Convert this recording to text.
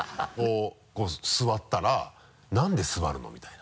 こう座ったら「何で座るの？」みたいな。